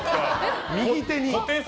右手に。